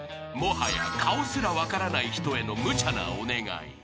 ［もはや顔すら分からない人への無茶なお願い］